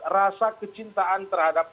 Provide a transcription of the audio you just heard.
rasa kecintaan terhadap